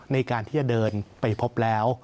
ในการที่จะเดินไปพบแล้ว